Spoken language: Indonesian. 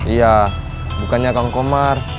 iya bukannya kang komar